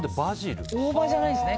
大葉じゃないんですね。